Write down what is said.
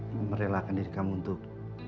merelakan diri kamu untuk